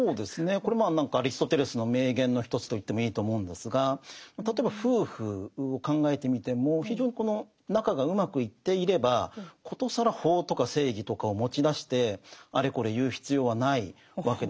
これもアリストテレスの名言の一つと言ってもいいと思うんですが例えば夫婦を考えてみても非常にこの仲がうまくいっていれば殊更法とか正義とかを持ち出してあれこれ言う必要はないわけですよね。